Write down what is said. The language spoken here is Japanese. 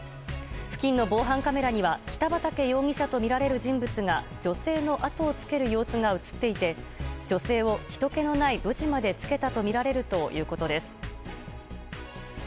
付近の防犯カメラには北畠容疑者とみられる人物が女性の後をつける様子が映っていて女性をひとけのない路地までつけたとみられるということです。